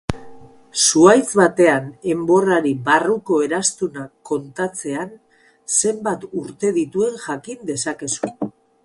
Zuhaitz baten enborrari barruko eraztunak kontatzean, zenbat urte dituen jakin dezakezu.